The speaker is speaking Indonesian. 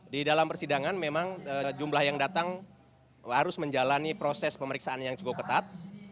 di dalam persidangan memang jumlah yang datang harus menjalani proses pemeriksaan yang cukup ketat